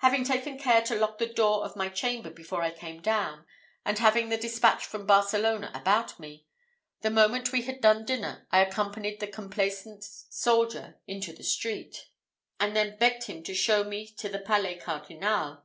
Having taken care to lock the door of my chamber before I came down, and having the despatch from Barcelona about me, the moment we had done dinner I accompanied the complaisant soldier into the street, and then begged him to show me to the Palais Cardinal.